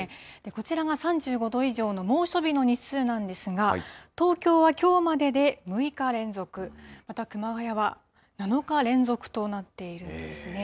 こちらが３５度以上の猛暑日の日数なんですが、東京はきょうまでで６日連続、また熊谷は７日連続となっているんですね。